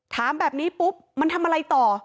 ถามแบบนี้ปุ๊บมันทำอะไรต่อ